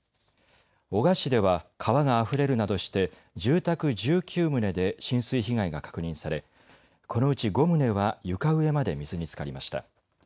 男鹿市では川があふれるなどして住宅１９棟で浸水被害が確認されこのうち５棟は床上まで水につかりました。